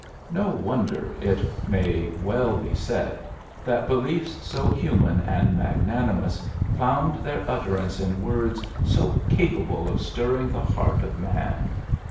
No wonder, it may well be said, that beliefe so human and magnanimous found their utterance in words so capable of stirring the heart of man.